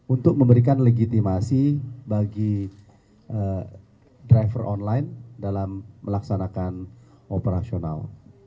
untuk memberikan legitimasi bagi driver online dalam melaksanakan operasional